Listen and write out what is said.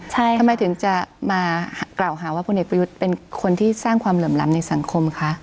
ทำไมถึงจะมากล่าวหาว่าพลเอกประยุทธ์เป็นคนที่สร้างความเหลื่อมล้ำในสังคมคะ